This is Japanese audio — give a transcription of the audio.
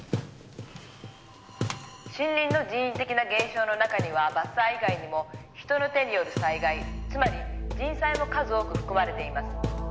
「森林の人為的な減少の中には伐採以外にも人の手による災害つまり人災も数多く含まれています」